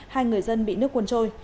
hai người dân bị nước cuốn trôi